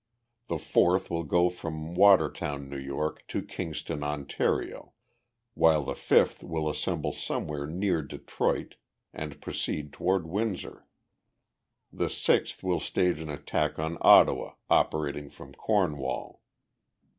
The fourth will go from Watertown, N. Y., to Kingston, Ontario, while the fifth will assemble somewhere near Detroit and proceed toward Windsor. The sixth will stage an attack on Ottawa, operating from Cornwall.